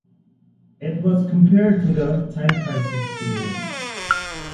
It was compared to the "Time Crisis" series.